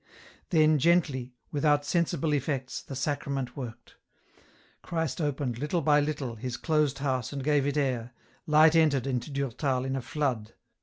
Then gently, without sensible effects, the Sacrament worked ; Christ opened, little by little, his closed house and gave it air, light entered into Durtal in a flood.